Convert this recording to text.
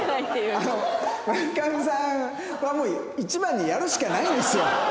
あの村上さんはもう一番にやるしかないんですよ。